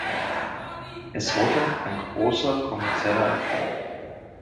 Es wurde ein großer kommerzieller Erfolg.